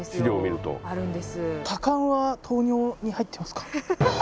多汗は糖尿に入ってますか？